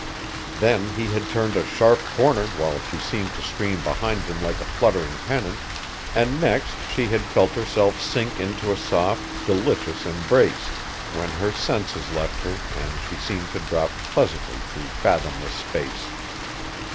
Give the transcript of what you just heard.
Then he had turned a sharp corner while she seemed to stream behind him like a fluttering pennant, and next she had felt herself sink into a soft, delicious embrace, when her senses left her and she seemed to drop pleasantly through fathomless space.